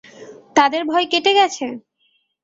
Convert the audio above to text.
তাদের ভয় কেটে গেছে?